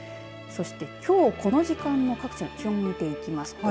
そして、きょうこの時間の各地の気温を見ていきます。